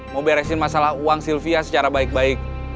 mau beresin masalah uang sylvia secara baik baik